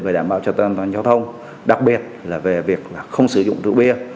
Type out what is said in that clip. về đảm bảo trợ tự an toàn giao thông đặc biệt là về việc không sử dụng thư bia